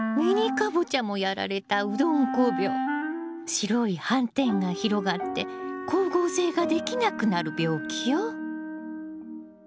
白い斑点が広がって光合成ができなくなる病気よ。